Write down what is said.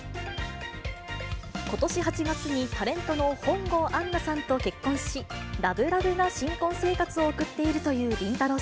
ことし８月にタレントの本郷杏奈さんと結婚し、ラブラブな新婚生活を送っているというりんたろー。